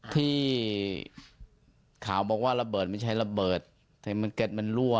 ที่ข่าวบอกว่าระเบิดไม่ใช่ระเบิดแต่มันเก็ตมันรั่ว